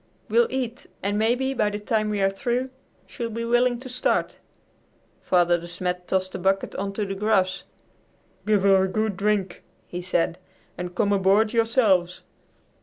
We'll eat, and maybe by the time we are through she'll be willing to start." Father De Smet tossed a bucket on to the grass. "Give her a good drink," he said, "and come aboard yourselves."